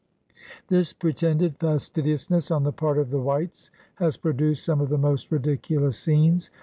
This pretended fastidiousness on the part of the whites has produced some of the most ridiculous scenes.